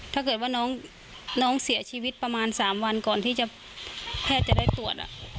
ถ้าเกิดว่าน้องเสียชีวิตประมาณ๓วันก่อนที่แพทย์จะได้ตรวจ